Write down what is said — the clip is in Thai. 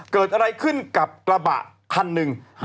เกิดอะไรขึ้นกับกระบะคันหนึ่ง